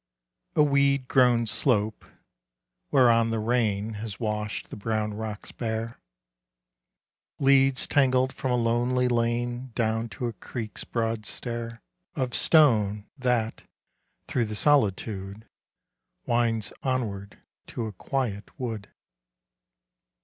A weed grown slope, whereon the rain Has washed the brown rocks bare, Leads tangled from a lonely lane Down to a creek's broad stair Of stone, that, through the solitude, Winds onward to a quiet wood.